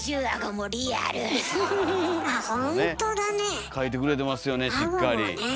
あすごい。